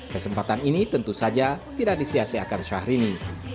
kesempatan ini tentu saja tidak disiasiakan syahrini